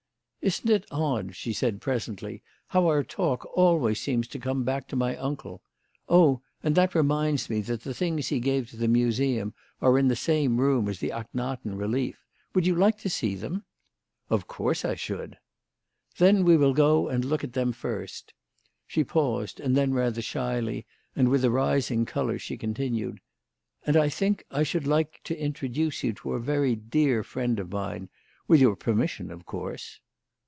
"Isn't it odd," she said presently, "how our talk always seems to come back to my uncle? Oh, and that reminds me that the things he gave to the Museum are in the same room as the Ahkhenaten relief. Would you like to see them?" "Of course I should." "Then we will go and look at them first." She paused, and then, rather shyly and with a rising colour, she continued: "And I think I should like to introduce you to a very dear friend of mine with your permission, of course."